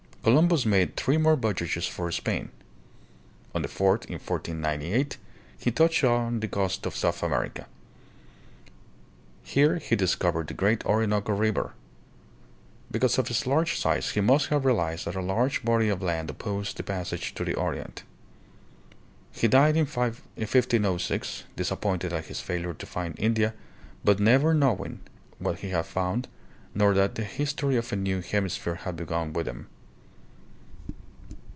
Columbus made three more voyages for Spain. On the fourth, in 1498, he touched on the coast of South America. Here he dis covered the great Orinoco River. Because of its large size, he must have realized that a large body of land opposed the passage to the Orient.. He died in 1506, dis appointed at his failure to find India, but never knowing what he had found, nor that the history of a new hemi sphere had begun with him.